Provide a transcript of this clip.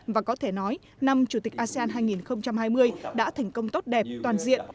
và có thể nói năm chủ tịch asean hai nghìn hai mươi đã thành công tốt đẹp toàn diện